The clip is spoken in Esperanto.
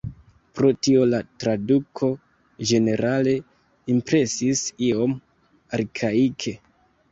Pro tio la traduko ĝenerale impresis iom arkaike.